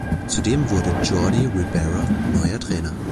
Zudem wurde Jordi Ribera neuer Trainer.